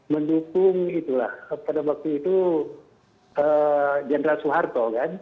mendukung itulah pada waktu itu general soeharto kan